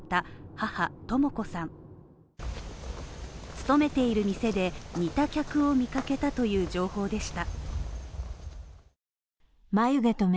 勤めている店で見た客を見かけたという情報でした。